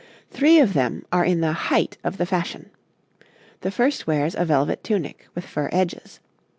Three of them are in the height of the fashion. The first wears a velvet tunic, with fur edges.